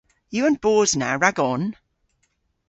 Yw an boos na ragon?